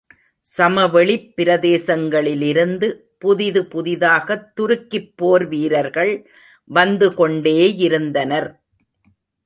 சமவெளிப் பிரதேசங்களிலிருந்து, புதிது புதிதாகத் துருக்கிப் போர் வீரர்கள் வந்து கொண்டேயிருந்தனர்.